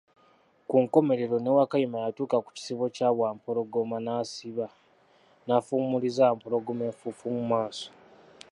Ku nkomekerero ne Wakayima yatuuka ku kisibo kya bawampologoma nasiba, naaffumuliza Wampologoma enfuufu mu maaso.